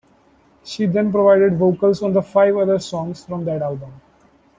She then provided vocals on five other songs from that album.